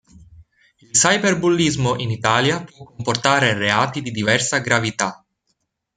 Il cyberbullismo in Italia può comportare reati di diversa gravità.